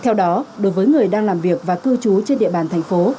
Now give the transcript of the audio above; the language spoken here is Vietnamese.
theo đó đối với người đang làm việc và cư trú trên địa bàn thành phố